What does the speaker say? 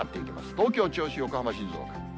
東京、銚子、横浜、静岡。